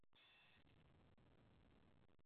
Hata hivyo hali hii inabadilika kidogo kidogo